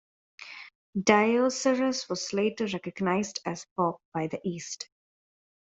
Dioscurus was later recognized as Pope by the East.